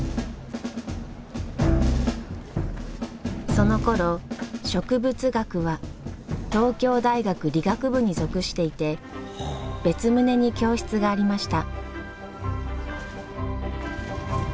そのころ植物学は東京大学理学部に属していて別棟に教室がありました。